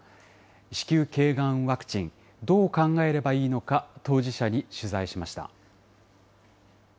子宮けいがんワクチン、どう考えればいいのか、当事者に取材しました。